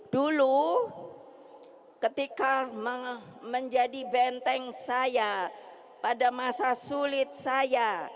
dulu ketika menjadi benteng saya pada masa sulit saya